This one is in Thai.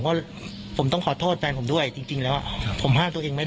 เพราะผมต้องขอโทษแฟนผมด้วยจริงแล้วผมห้ามตัวเองไม่ได้